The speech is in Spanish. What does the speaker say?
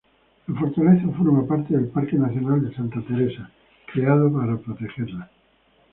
La fortaleza forma parte del Parque nacional de Santa Teresa, creado para protegerla.